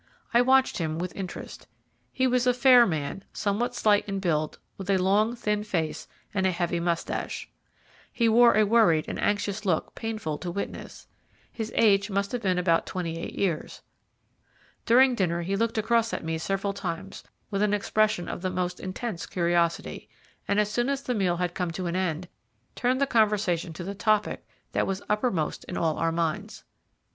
I watched him with interest. He was a fair man, somewhat slight in build, with a long, thin face and a heavy moustache. He wore a worried and anxious look painful to witness; his age must have been about twenty eight years. During dinner he looked across at me several times with an expression of the most intense curiosity, and as soon as the meal had come to an end, turned the conversation to the topic that was uppermost in all our minds.